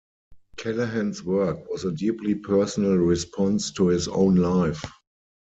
Callahan's work was a deeply personal response to his own life.